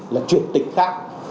là chuyển tịch khác